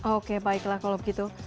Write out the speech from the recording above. oke baiklah kalau begitu